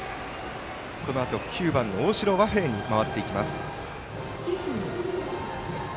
このあと９番の大城和平に回っていきます。